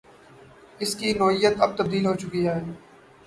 اس کی نوعیت اب تبدیل ہو چکی ہے۔